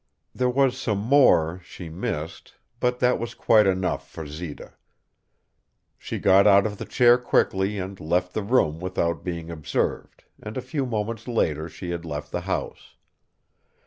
There was some more she missed, but that was quite enough for Zita. She got out of the chair quickly and left the room without being observed, and a few moments later she had left the house.